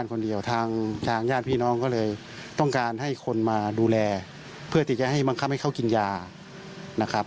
คันนี้เลยค่ะ